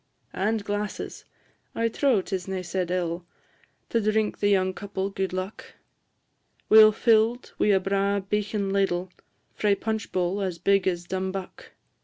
And glasses (I trow 'tis nae said ill) To drink the young couple gude luck, Weel fill'd wi' a braw beechen ladle, Frae punch bowl as big as Dumbuck.